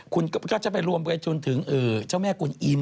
คุณก็จะไปรวมไปชนถึงเจ้าแม่กุญอิม